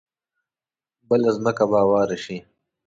بله ځمکه به هواره شي.